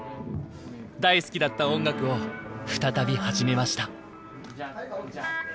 大好きだった音楽を再び始めました。